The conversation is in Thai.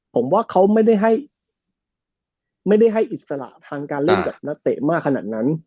ผมว่าเขาไม่ได้ให้ไม่ได้ให้อิสระทางการเล่นกับนักเตะมากขนาดนั้น